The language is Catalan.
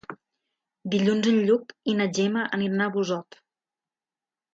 Dilluns en Lluc i na Gemma aniran a Busot.